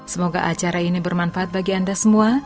semoga acara ini bermanfaat bagi anda semua